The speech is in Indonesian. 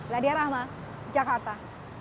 ladi arama jakarta